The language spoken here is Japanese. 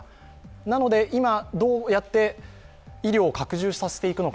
なので今、どうやって医療を拡充させていくのか、